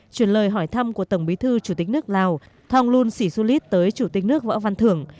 chuyển lời hỏi thăm của tổng bí thư chủ tịch nước lào thòng luân sĩ su lít tới chủ tịch nước võ văn thưởng